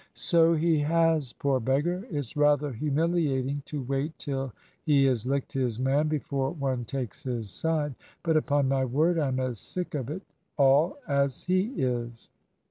"So he has, poor beggar. It's rather humiliating to wait till he has licked his man before one takes his side; but upon my word, I'm as sick of it all as he is."